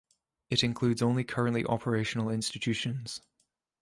It includes only currently operational institutions.